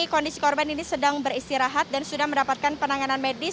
kondisi korban ini sedang beristirahat dan sudah mendapatkan penanganan medis